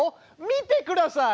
見てください！